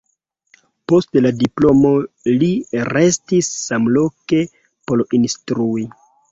Post la diplomo li restis samloke por instrui.